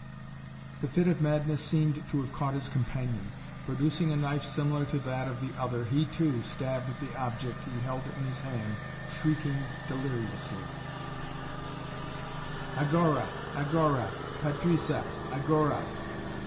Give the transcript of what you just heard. The fit of madness seemed to have caught his companion. Producing a knife similar to that of the other he, too, stabbed the object he held in his hand, shrieking deliriously: "Agora! Agora! Patrisa! Agora!"